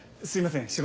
すみません